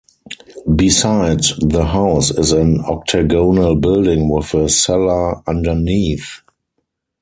Beside the house is an octagonal building with a cellar underneath.